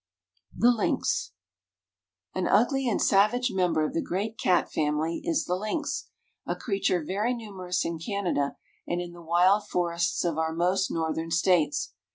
] THE LYNX. An ugly and savage member of the great cat family is the lynx, a creature very numerous in Canada and in the wild forests of our most northern States.